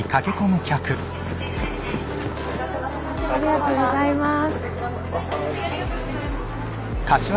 ありがとうございます。